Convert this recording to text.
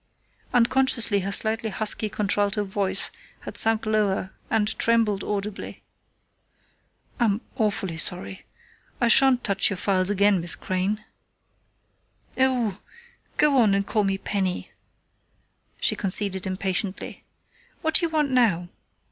Unconsciously her slightly husky contralto voice had sunk lower and trembled audibly. "I'm awfully sorry. I shan't touch your files again, Miss Crain." "Oh go on and call me Penny," she conceded impatiently. "What do you want now?...